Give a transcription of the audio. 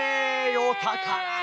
お宝！